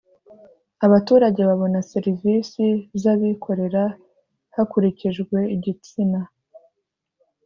abaturage babona serivisi z’ abikorera hakurikijwe igitsina